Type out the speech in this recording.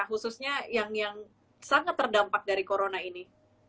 khususnya yang sangat terdampak dari corona ini